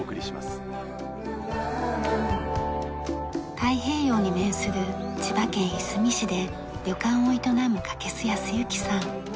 太平洋に面する千葉県いすみ市で旅館を営む掛須保之さん。